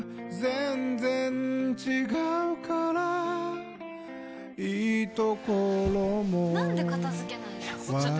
全然違うからいいところもなんで片付けないの？